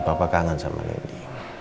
papa kangen sama nindi